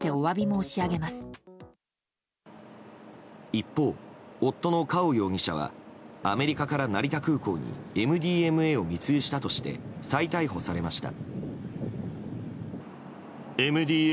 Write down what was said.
一方、夫のカオ容疑者はアメリカから成田空港にＭＤＭＡを密輸したとして再逮捕されました。